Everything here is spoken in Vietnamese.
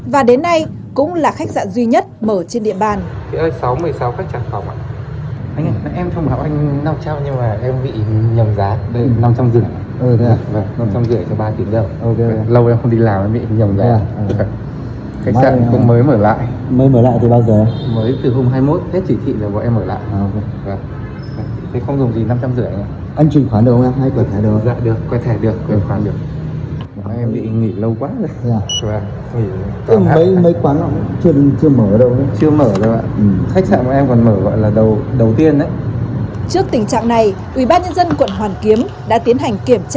và đồng thời khách sạn đã trở lại hoạt động từ ngày hai mươi một tháng chín